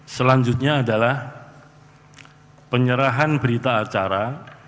selanjutnya adalah penyerahan berita acara